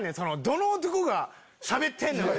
どの男がしゃべってんのか。